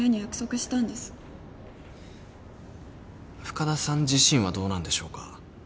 深田さん自身はどうなんでしょうか？